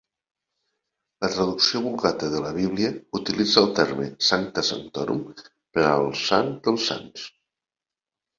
La traducció Vulgata de la Bíblia utilitza el terme "Sancta sanctorum" per al Sant dels Sants.